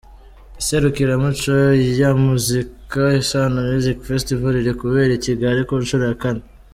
Iserukiramuco ya muzika , Isaano Music Festival’ riri kubera i Kigali ku nshuro ya kane.